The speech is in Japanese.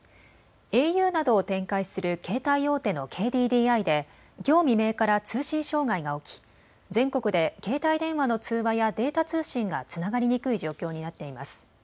ａｕなどを展開する携帯大手のＫＤＤＩできょう未明から通信障害が起き全国で携帯電話の通話やデータ通信がつながりにくい状況になっています。